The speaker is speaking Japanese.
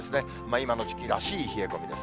今の時期らしい冷え込みです。